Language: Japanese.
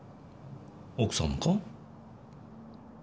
奥さんもか？